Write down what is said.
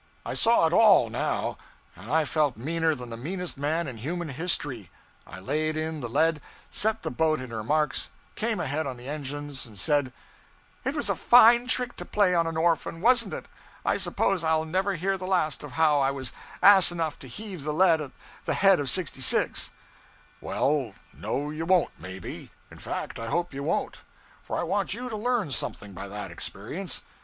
I saw it all, now, and I felt meaner than the meanest man in human history. I laid in the lead, set the boat in her marks, came ahead on the engines, and said 'It was a fine trick to play on an orphan, wasn't it? I suppose I'll never hear the last of how I was ass enough to heave the lead at the head of 66.' 'Well, no, you won't, maybe. In fact I hope you won't; for I want you to learn something by that experience.